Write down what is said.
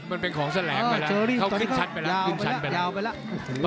มันเป็นของแสลงไปแล้วเขาขึ้นชั้นไปแล้ว